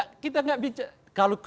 kalau survei itu gak bicara apa apa